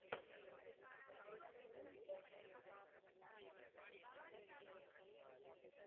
அவர்களும் பதிலடி கொடுத்தார்கள்.